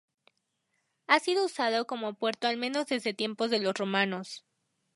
Ha sido usado como puerto al menos desde tiempos de los romanos.